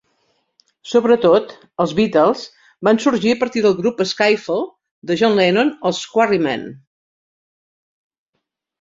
Sobretot, els Beatles van sorgir a partir del grup skiffle de John Lennon, els Quarrymen.